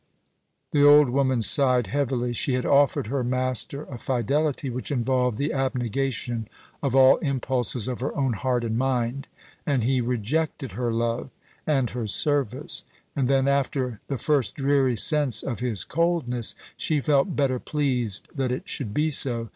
The old woman sighed heavily. She had offered her master a fidelity which involved the abnegation of all impulses of her own heart and mind, and he rejected her love and her service. And then, after the first dreary sense of his coldness, she felt better pleased that it should be so.